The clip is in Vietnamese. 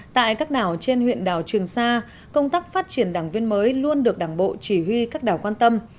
tại các đảo trên huyện đảo trường sa công tác phát triển đảng viên mới luôn được đảng bộ chỉ huy các đảo quan tâm